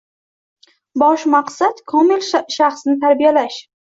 Bosh maqsad komil shaxsni tarbiyalash.